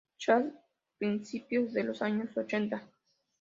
Chad, principios de los años ochenta.